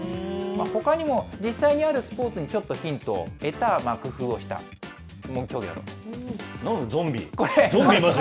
ほかにも実際にあるスポーツにちょっとヒントを得た、ゾンビ？